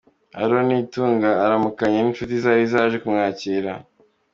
Aaron Nitunga aramukanya n'inshuti zari zaje kumwakira.